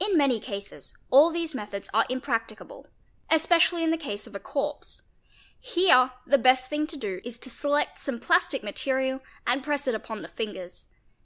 In many cases all these methods are impracticable, especially in the case of a corpse; here the best thing to do is to select some plastic material and press it upon the fingers.